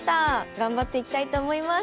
頑張っていきたいと思います。